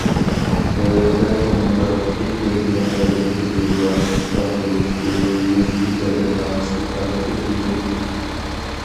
نۆۋەتتە ئۇنىڭدا تېخى ھۆكۈمەت تەرىپىدىن يولغا چىقىشقا بولۇش ۋە يۈرۈش ئىجازەتنامىسى تارقىتىپ بېرىلمىگەن.